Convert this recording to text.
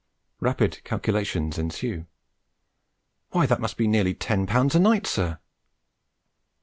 Rapid calculations ensue. 'Why, that must be nearly ten pounds a night, sir?'